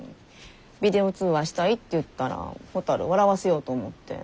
ビデオ通話したいって言ったらほたる笑わせようと思って。